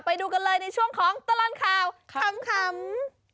ไปดูกันเลยในช่วงของตลอดข่าวขำ